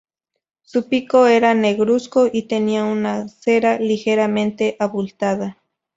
Su pico era negruzco y tenía una cera ligeramente abultada.